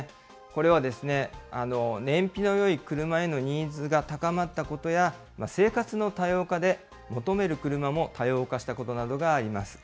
これはですね、燃費のよい車へのニーズが高まったことや、生活の多様化で、求める車も多様化したことなどがあります。